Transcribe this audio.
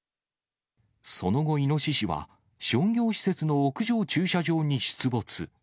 その後、イノシシは商業施設の屋上駐車場に出没。